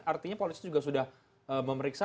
artinya polisi juga sudah memeriksa